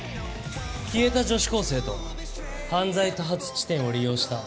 消えた女子高生と犯罪多発地点を利用した犯罪者。